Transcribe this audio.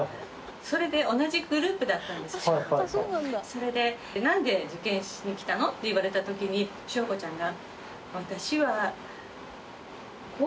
それで「なんで受験しに来たの？」って言われた時に昭子ちゃんが。